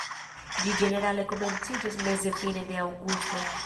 Ĝi ĝenerale komenciĝas meze-fine de aŭgusto.